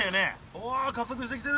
おお加速してきてる！